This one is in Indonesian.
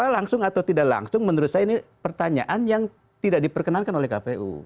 langsung atau tidak langsung menurut saya ini pertanyaan yang tidak diperkenankan oleh kpu